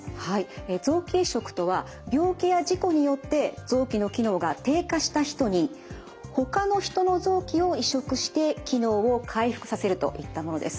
臓器移植とは病気や事故によって臓器の機能が低下した人にほかの人の臓器を移植して機能を回復させるといったものです。